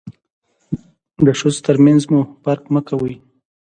د ښځو تر منځ مو فرق مه کوئ.